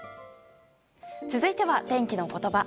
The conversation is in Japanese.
続いては天気のことば。